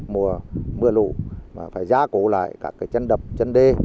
mùa mưa lũ và phải gia cố lại các chân đập chân đê